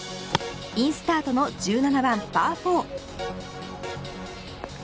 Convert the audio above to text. インスタートの１７番パー４。